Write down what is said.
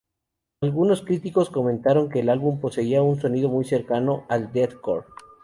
Algunos críticos comentaron que el álbum poseía un sonido muy cercano al deathcore.